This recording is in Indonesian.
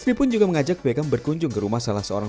sri pun juga mengajak beckham berkunjung ke rumah salah seorang